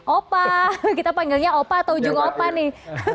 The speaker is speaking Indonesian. opa kita panggilnya opa atau ujung opa nih